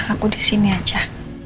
aku disini aja